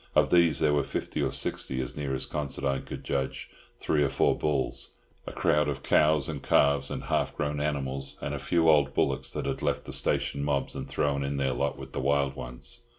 Of these there were fifty or sixty, as near as Considine could judge—three or four bulls, a crowd of cows and calves and half grown animals, and a few old bullocks that had left the station mobs and thrown in their lot with the wild ones.